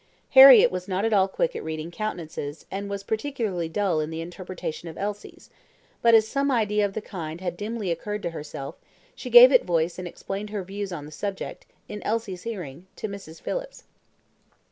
Harriett was not at all quick at reading countenances, and was particularly dull in the interpretation of Elsie's; but as some idea of the kind had dimly occurred to herself, she gave it voice and explained her views on the subject, in Elsie's hearing, to Mrs. Phillips.